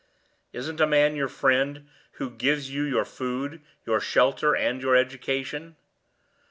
Isn't a man your friend who gives you your food, your shelter, and your education?